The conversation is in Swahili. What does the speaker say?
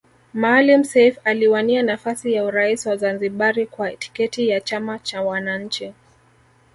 Maalim Seif aliwania nafasi ya urais wa Zanzibari kwa tiketi ya chama cha wananchi